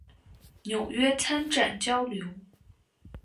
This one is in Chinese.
纽约参展交流